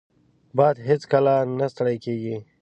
باد هیڅکله نه ستړی کېږي